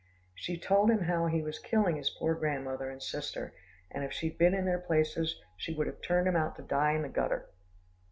She told him how he was killing his poor grandmother and sister, and if she'd been in their places, she would have turned him out to die in the gutter.